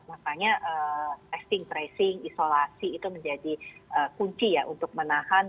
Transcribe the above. makanya testing tracing isolasi itu menjadi kunci ya untuk menahan